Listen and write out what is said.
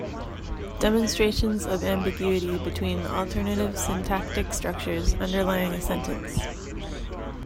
Demonstrations of ambiguity between alternative syntactic structures underlying a sentence.